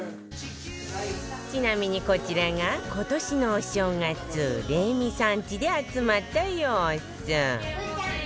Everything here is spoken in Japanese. ちなみにこちらが今年のお正月レミさんちで集まった様子